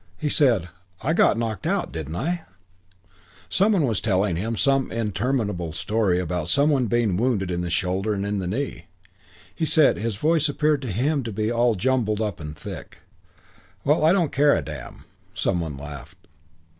He said, "I got knocked out, didn't I?" ... Some one was telling him some interminable story about some one being wounded in the shoulder and in the knee. He said, and his voice appeared to him to be all jumbled up and thick, "Well, I don't care a damn." ... Some one laughed.